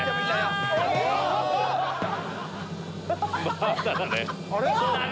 まだだね。